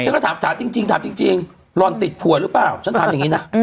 ฉันก็ถามถามจริงถามจริงหล่อนติดผัวหรือเปล่าฉันถามอย่างนี้นะ